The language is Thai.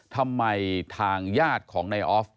ทำไมทางญาติของนายออฟ